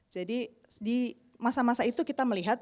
jadi di masa masa itu kita melihat